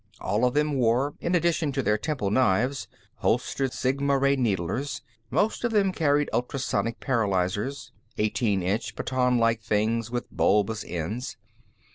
All of them wore, in addition to their temple knives, holstered sigma ray needlers. Most of them carried ultrasonic paralyzers, eighteen inch batonlike things with bulbous ends.